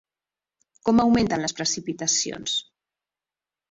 Com augmenten les precipitacions?